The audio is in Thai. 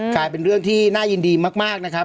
กลายเป็นเรื่องที่น่ายินดีมากนะครับ